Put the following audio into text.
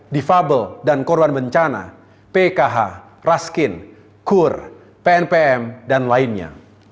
difabel dan korban bencana pkh raskin kur pnpm dan lainnya